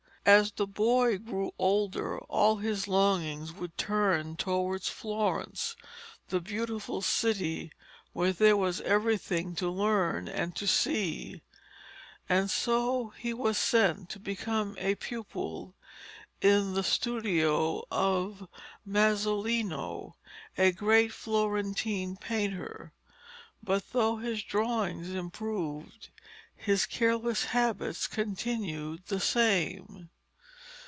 As the boy grew older all his longings would turn towards Florence, the beautiful city where there was everything to learn and to see, and so he was sent to become a pupil in the studio of Masolino, a great Florentine painter. But though his drawings improved, his careless habits continued the same.